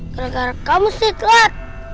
gara gara kamu sidlat